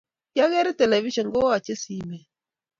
kiagere television kowache simet